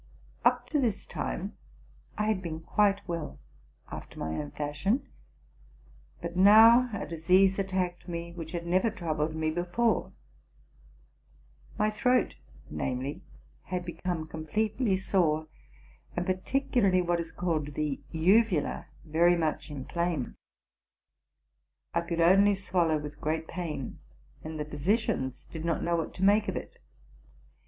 Up to this time I had been quite well, after my own fashion ; but now a disease attacked me which had never troubled me before. My throat, namely, had become com pletely sore, and particularly what is called the uvula'' very much inflamed: I could only swallow with great pain, and the physicians did not know what to make of it.